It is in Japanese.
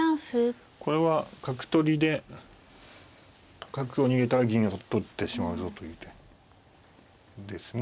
これは角取りで角を逃げたら銀を取ってしまうぞという手ですね。